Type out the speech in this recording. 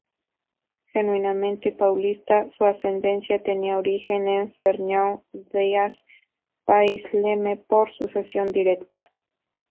Genuinamente paulista, su ascendencia tenía origen en Fernão Dias Pais Leme por sucesión directa.